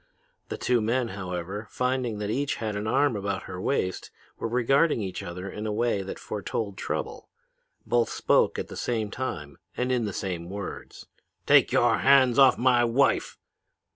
The two men, however, finding that each had an arm about her waist, were regarding each other in a way that foretold trouble. Both spoke at the same time and in the same words. "'Take your hands off my wife!'